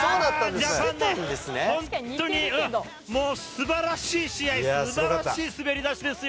ジャパンね、本当に、もうすばらしい試合、すばらしい滑り出しですよ。